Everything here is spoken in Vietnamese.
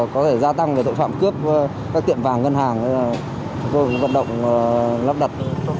có thể gia tăng về tội phạm cướp các tiệm vàng ngân hàng vận động lắp đặt